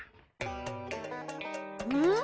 うん？